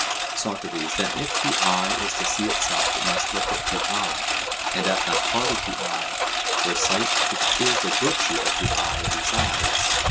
SOCRATES: Then if the eye is to see itself, it must look at the eye, and at that part of the eye where sight which is the virtue of the eye resides?